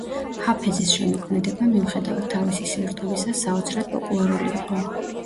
ჰაფეზის შემოქმედება, მიუხედავად თავისი სირთულისა, საოცრად პოპულარული იყო.